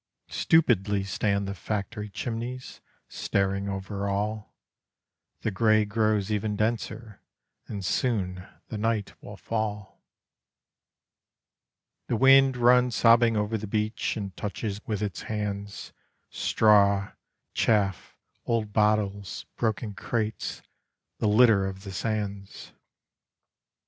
Stupidly stand the factory chimneys staring over all, The grey grows ever denser, and soon the night will fall: The wind runs sobbing over the beach and touches with its hands Straw, chaff, old bottles, broken crates, the litter of the sands.